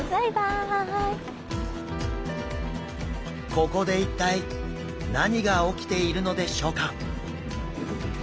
ここで一体何が起きているのでしょうか？